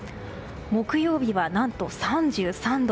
木曜日は何と、３３度。